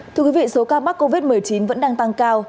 thưa quý vị số ca mắc covid một mươi chín vẫn đang tăng cao